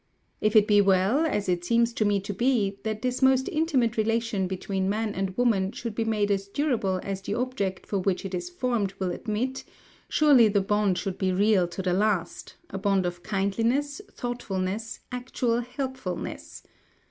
If it be well, as it seems to me to be, that this most intimate relation between man and woman should be made as durable as the object for which it is formed will admit, surely the bond should be real to the last, a bond of kindliness, thoughtfulness, actual helpfulness.